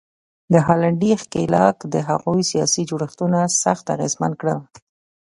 د هالنډي ښکېلاک د هغوی سیاسي جوړښتونه سخت اغېزمن کړل.